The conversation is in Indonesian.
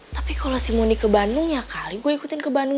tapi kalau si muni ke bandung ya kali gue ikutin ke bandung